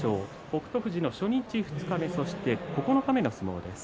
北勝富士の初日、二日目九日目の相撲です。